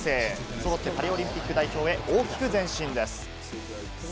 そろってパリオリンピック代表へ大きく前進です。